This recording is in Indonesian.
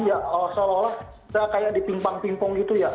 ya seolah olah saya kayak dipimpang pimpong gitu ya